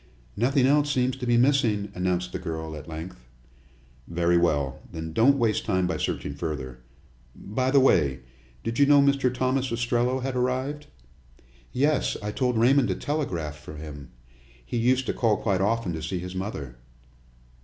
"Nothing else seems to be missing," announced the girl, at length. "Very well; then don't waste time by searching further. By the way, did you know Mr. Thomas Ostrello had arrived?" "Yes; I told Raymond to telegraph for him. He used to call quite often to see his mother."